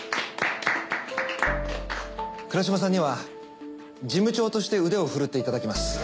倉嶋さんには事務長として腕を振るっていただきます。